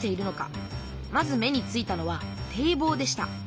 まず目についたのは堤防でした。